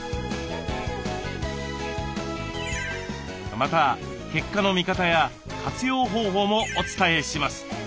また結果の見方や活用方法もお伝えします。